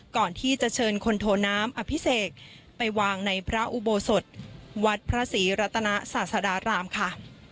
ก่อนที่จะเชิญคนโทน้ำอภิเษกไปวางในพระอุโบสถวัดพระศรีรัตนาศาสดารามค่ะ